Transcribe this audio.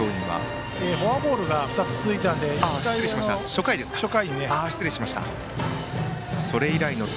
フォアボールが２つ続いたので１回にね。